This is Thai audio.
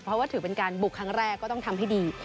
เพราะว่าถือเป็นการบุกครั้งแรกก็ต้องทำให้ดี